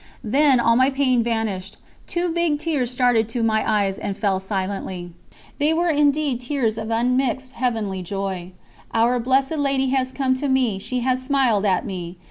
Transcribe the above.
Then, all my pain vanished, two big tears started to my eyes and fell silently. ... They were indeed tears of unmixed heavenly joy. "Our Blessed Lady has come to me, she has smiled at me.